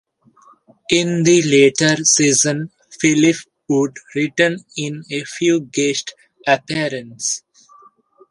In the later seasons, Phillip would return in a few guest appearances.